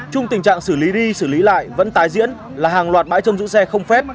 trung tình trạng xử lý đi xử lý lại vẫn tái diễn là hàng loạt bãi trong giữ xe không phép